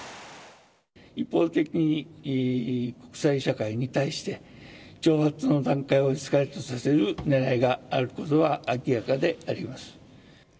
一方的に国際社会に対して、挑発の段階をエスカレートさせるねらいがあることは明らかであります。